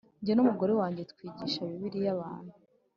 jye n umugore wanjye twigisha Bibiliya abantu